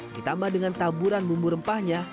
ditambah dengan taburan bumbu rempahnya